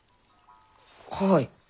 はい。